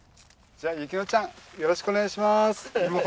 じゃあ薫乃ちゃんよろしくお願いします。